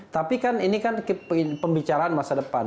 tapi kan ini kan pembicaraan masa depan